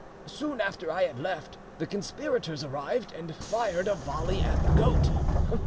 Soon after I had left, the conspirators arrived, and fired a volley at the goat.